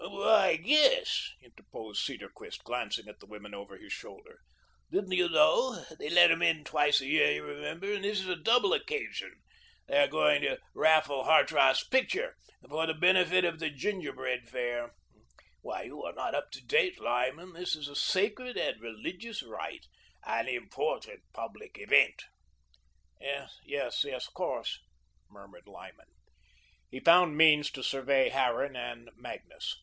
"Why, yes," interposed Cedarquist, glancing at the women over his shoulder. "Didn't you know? They let 'em in twice a year, you remember, and this is a double occasion. They are going to raffle Hartrath's picture, for the benefit of the Gingerbread Fair. Why, you are not up to date, Lyman. This is a sacred and religious rite, an important public event." "Of course, of course," murmured Lyman. He found means to survey Harran and Magnus.